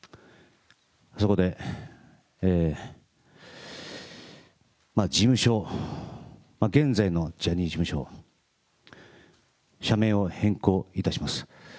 そこで、事務所、現在のジャニーズ事務所、社名を変更いたします。